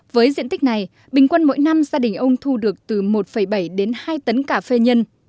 với diện tích này bình quân mỗi năm gia đình ông thu được từ một bảy đến hai tấn cà phê nhân